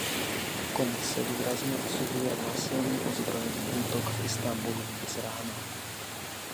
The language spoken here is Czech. Komise důrazně odsuzuje násilný ozbrojený útok v Istanbulu dnes ráno.